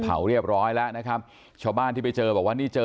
เผาเรียบร้อยแล้วนะครับชาวบ้านที่ไปเจอบอกว่านี่เจอ